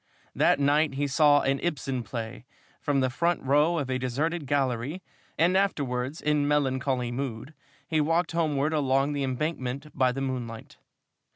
That night he saw an Ibsen play from the front row of a deserted gallery, and afterwards, in melancholy mood, he walked homeward along the Embankment by the moonlight.